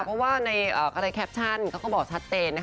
เพราะว่าในแคปชั่นก็บอกชัดเตน